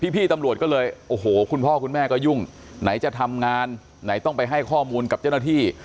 พี่ตำรวจก็เลยโอ้โหคุณพ่อคุณแม่ก็ยุ่งไหนจะทำงานไหนต้องไปให้ข้อมูลกับเจ้าหน้าที่